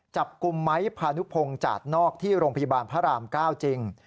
จับกลุ่มไม้พานุพงศ์จาดนอกที่โรงพยาบาลพระราม๙จริง